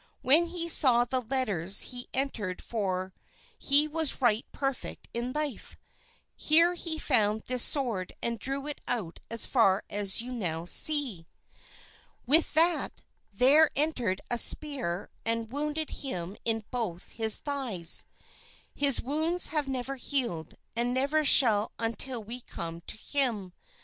When he saw the letters he entered, for he was right perfect in his life; here he found this sword and drew it out as far as you now see. With that, there entered a spear and wounded him in both his thighs. His wounds have never healed and never shall until we come to him.